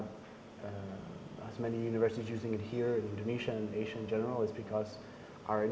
dan alasan kenapa tidak banyak universitas menggunakannya di indonesia dan asia secara umum adalah karena